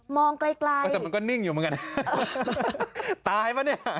มองไกลแต่มันก็นิ่งอยู่มึงกันตายป่ะเนี่ย